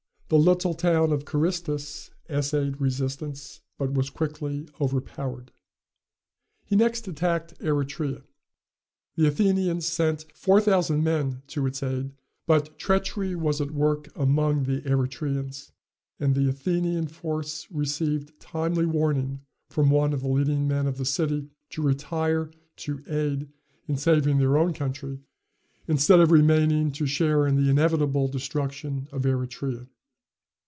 The little town of Carystus essayed resistance, but was quickly overpowered. He next attacked Eretria. The Athenians sent four thousand men to its aid; but treachery was at work among the Eretrians; and the Athenian force received timely warning from one of the leading men of the city to retire to aid in saving their own country, instead of remaining to share in the inevitable destruction of Eretria.